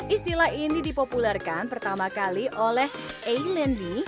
istilah ini dipopulerkan pertama kali oleh a landy